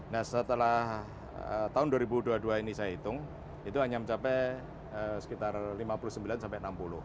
nah setelah tahun dua ribu dua puluh dua ini saya hitung itu hanya mencapai sekitar lima puluh sembilan sampai enam puluh